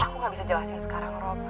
aku gak bisa jelasin sekarang rob